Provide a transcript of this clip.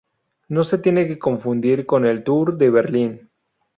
No se tiene que confundir con el Tour de Berlín.